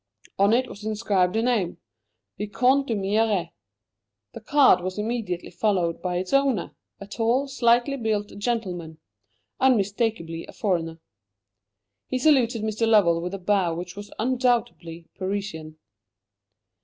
On it was inscribed a name Vicomte d'Humières. The card was immediately followed by its owner, a tall, slightly built gentleman; unmistakably a foreigner. He saluted Mr. Lovell with a bow which was undoubtedly Parisian.